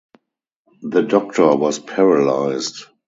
The Doctor was paralysed.